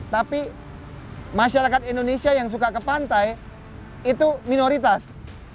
tapi masyarakat indonesia yang suka ke pantai itu minoritas